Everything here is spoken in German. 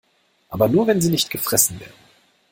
Aber nur, wenn sie nicht gefressen werden.